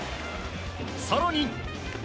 更に。